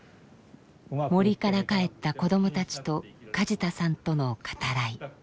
森から帰った子どもたちと梶田さんとの語らい。